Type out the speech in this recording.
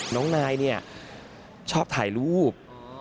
น้องนายเนี่ยชอบถ่ายรูป